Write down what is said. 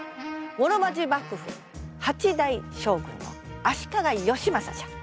室町幕府８代将軍の足利義政じゃ。